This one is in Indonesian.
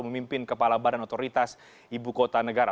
memimpin kepala badan otoritas ibu kota negara